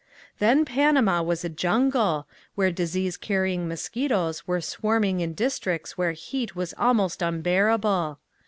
Then Panama was a jungle, where disease carrying mosquitoes were swarming in districts where heat was almost unbearable.